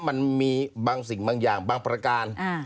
มันมีบางสิ่งบางอย่างบางประการ